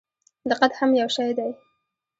دقت هم یو شی دی.